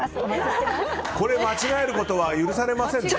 間違えることは許されませんね。